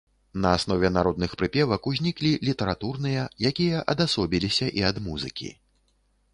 На аснове народных прыпевак узніклі літаратурныя, якія адасобіліся і ад музыкі.